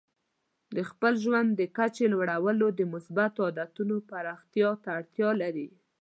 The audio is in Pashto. د خپل ژوند د کچې لوړول د مثبتو عادتونو پراختیا ته اړتیا لري.